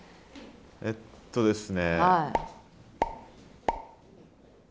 えっとですね。